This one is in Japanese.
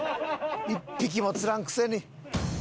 １匹も釣らんくせに。